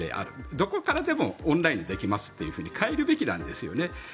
どこからでもオンラインでできますというふうに変えるべきなんですよね。